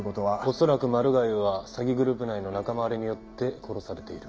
恐らくマル害は詐欺グループ内の仲間割れによって殺されている。